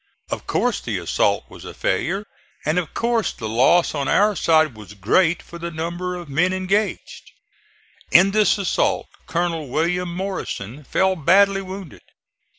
Of course the assault was a failure, and of course the loss on our side was great for the number of men engaged. In this assault Colonel William Morrison fell badly wounded.